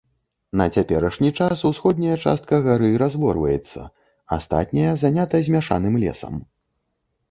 На цяперашні час усходняя частка гары разворваецца, астатняя занята змяшаным лесам.